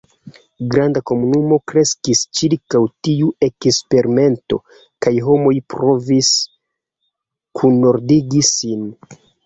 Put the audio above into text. Granda komunumo kreskis ĉirkaŭ tiu eksperimento, kaj homoj provis kunordigi sin.